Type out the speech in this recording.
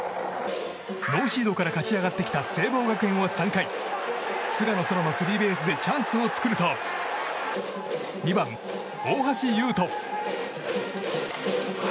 ノーシードから勝ち上がってきた聖望学園は３回菅野天空のスリーベースでチャンスを作ると２番、大橋優人。